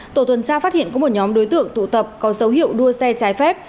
tổ tuần tra phát hiện có một nhóm đối tượng tụ tập có dấu hiệu đua xe trái phép